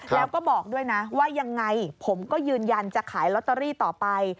แล้วก็บอกด้วยนะว่ายังไงผมก็ยืนยันจะขายลอตเตอรี่ต่อไป